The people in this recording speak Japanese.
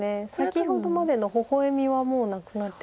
先ほどまでのほほ笑みはもうなくなってます。